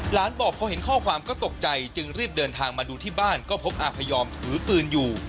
บอกพอเห็นข้อความก็ตกใจจึงรีบเดินทางมาดูที่บ้านก็พบอาพยอมถือปืนอยู่